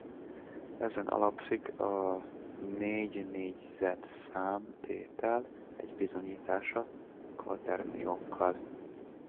Ezen alapszik a négynégyzetszám-tétel egy bizonyítása kvaterniókkal.